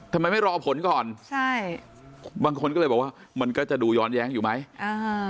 ทำไมไม่รอผลก่อนใช่บางคนก็เลยบอกว่ามันก็จะดูย้อนแย้งอยู่ไหมอ่า